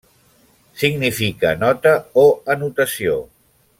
Significa nota o anotació.